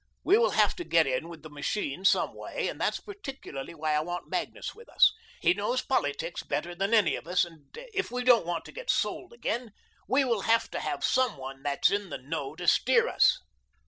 We will have to get in with the machine some way and that's particularly why I want Magnus with us. He knows politics better than any of us and if we don't want to get sold again we will have to have some one that's in the know to steer us."